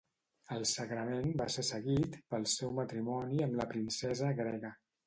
El sagrament va ser seguit pel seu matrimoni amb la princesa grega.